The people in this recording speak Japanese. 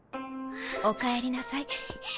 おかえりなさい。